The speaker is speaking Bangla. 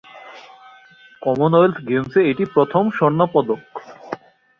কমনওয়েলথ গেমসে এটি প্রথম স্বর্ণপদক।